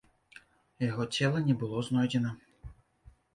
Яго цела не было знойдзена.